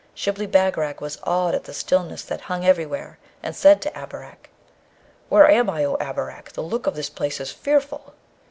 Shibli Bagarag was awed at the stillness that hung everywhere, and said to Abarak, 'Where am I, O Abarak? the look of this place is fearful!'